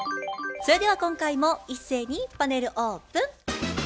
それでは今回も一斉にパネルオープン。